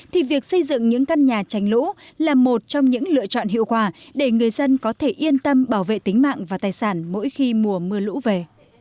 thì việc xây dựng những căn nhà tránh lũ là một trong những lựa chọn hiệu quả để người dân có thể yên tâm bảo vệ tính mạng và tài sản mỗi khi mùa mưa lũ về